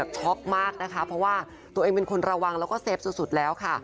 ช็อกมากนะคะเพราะว่าตัวเองเป็นคนระวังแล้วก็เซฟสุดแล้วค่ะ